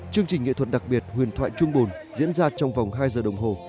chương trình nghệ thuật đặc biệt huyền thoại trung bồn diễn ra trong vòng hai giờ đồng hồ